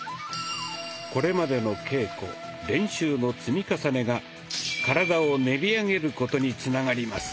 これまでの稽古練習の積み重ねが体を練り上げることにつながります。